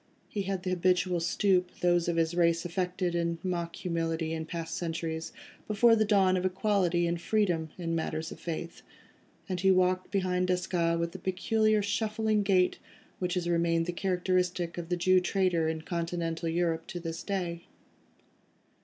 He had the habitual stoop, those of his race affected in mock humility in past centuries, before the dawn of equality and freedom in matters of faith, and he walked behind Desgas with the peculiar shuffling gait which has remained the characteristic of the Jew trader in continental Europe to this day.